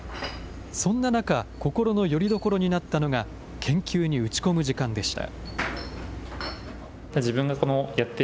そんな中、心のよりどころになったのが研究に打ち込む時間でした。